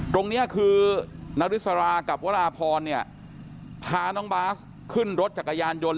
ตรงนี้คือนาริสรากับวราพรเนี่ยพาน้องบาสขึ้นรถจักรยานยนต์